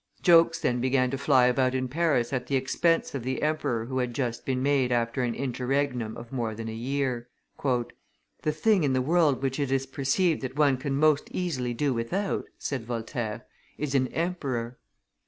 Jokes then began to fly about in Paris at the expense of the emperor who had just been made after an interregnum of more than a year. "The thing in the world which it is perceived that one can most easily do without," said Voltaire, "is an emperor."